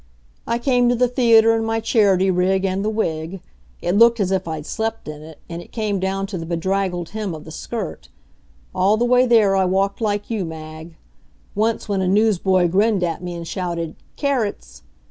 I came to the theater in my Charity rig and the wig. It looked as if I'd slept in it, and it came down to the draggled hem of the skirt. All the way there I walked like you, Mag. Once, when a newsboy grinned at me and shouted "Carrots!"